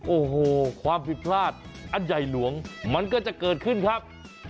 โอ้โหความผิดพลาดอันใหญ่หลวงมันก็จะเกิดขึ้นครับ